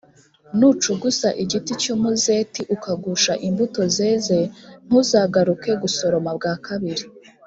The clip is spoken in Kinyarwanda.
nucugusa igiti cy’umuzeti ukagusha imbuto zeze, ntuzagaruke gusoroma bwa kabiri;